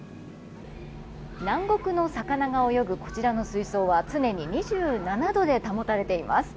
南国の魚が泳ぐこちらの水槽は常に２７度で保たれています。